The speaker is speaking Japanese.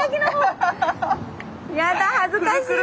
やだ恥ずかしい。